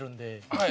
はい。